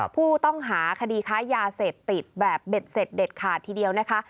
ผู้ต้องหาคดีค้ายาเสพติดแบบเบ็ดเสร็จเด็ดขาดทีเดียวนะคะ